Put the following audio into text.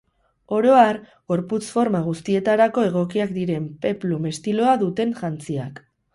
Oro har, gorputz forma guztietarako egokiak dira peplum estiloa duten jantziak.